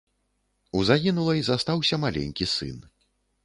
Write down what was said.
У загінулай застаўся маленькі сын.